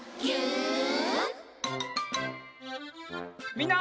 みんな。